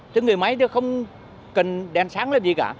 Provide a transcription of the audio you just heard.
thế người máy thì không cần đèn sáng làm gì cả